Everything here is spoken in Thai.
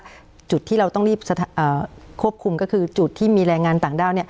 จุดที่เราต้องรีบควบคุมก็คือจุดที่มีแรงงานต่างด้าว